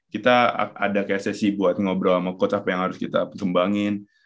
kita ada kayak sesi buat ngobrol sama coach apa yang harus kita sumbangin